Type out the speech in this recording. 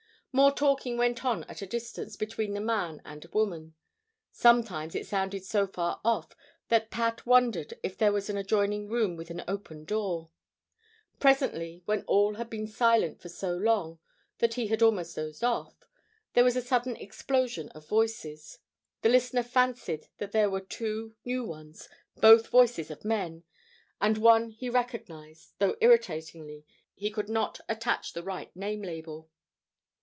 More talking went on at a distance, between the man and woman. Sometimes it sounded so far off that Pat wondered if there was an adjoining room with an open door. Presently, when all had been silent for so long that he had almost dozed off, there was a sudden explosion of voices. The listener fancied that there were two new ones, both voices of men, and one he recognized, though irritatingly he could not attach the right name label.